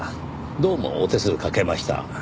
どうもお手数かけました。